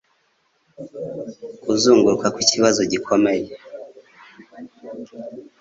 Kuzunguruka ku kibazo gikomeye,